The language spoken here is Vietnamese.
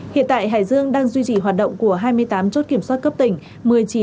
hiện tại hải dương đang duy trì hoạt động của hai mươi tám chốt kiểm soát cấp tỉnh